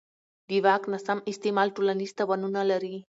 د واک ناسم استعمال ټولنیز تاوانونه لري